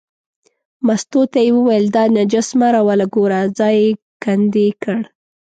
مستو ته یې وویل دا نجس مه راوله، ګوره ځای یې کندې کړ.